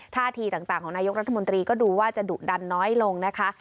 ท่าทีต่างของนายกรัฐมนตรีก็ดูว่าจะดุดันน้อยลงนะคะ